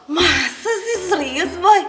masa sih serius boy